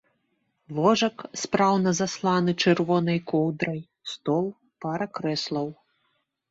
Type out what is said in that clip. Ложак, спраўна засланы чырвонай коўдрай, стол, пара крэслаў.